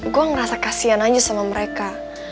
gue ngerasa kasian aja sama mereka